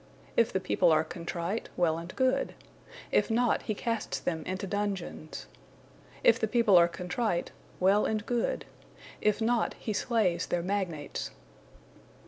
If the people are contrite, well and good; if not, he casts them into dungeons. If the people are contrite, well and good; if not, he slays their magnates.